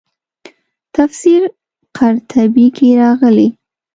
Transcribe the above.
تفسیر قرطبي کې راغلي.